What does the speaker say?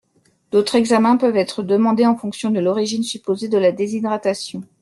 D'autres examens peuvent être demandés en fonction de l'origine supposée de la déshydratation.